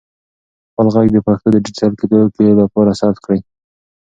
خپل ږغ د پښتو د ډیجیټل کېدو لپاره ثبت کړئ.